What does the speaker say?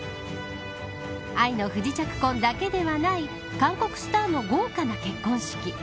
愛の不時着婚だけではない韓国スターの豪華な結婚式。